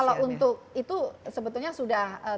kalau untuk itu sebetulnya sudah tidak kalah